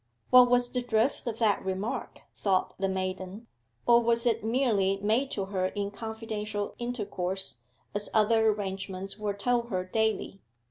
What was the drift of that remark? thought the maiden; or was it merely made to her in confidential intercourse, as other arrangements were told her daily.